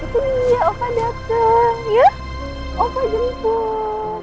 tunggu ya opa dateng ya opa jemput